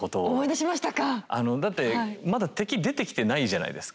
あのだってまだ敵出てきてないじゃないですか。